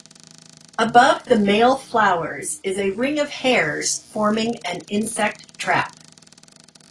Above the male flowers is a ring of hairs forming an insect trap.